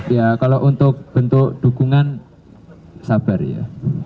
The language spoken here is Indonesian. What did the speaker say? ya kalau untuk bentuk dukungan sabar ya